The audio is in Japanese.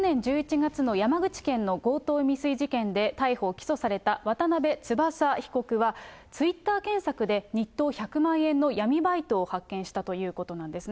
去年１１月の山口県の強盗未遂事件で逮捕・起訴された渡邊翼被告は、ツイッター検察で日当１００万円の闇バイトを発見したということなんですね。